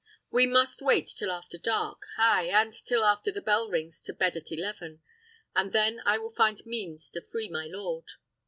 We must wait till after dark; ay, and till after the bell rings to bed at eleven; but then I will find means to free my lord."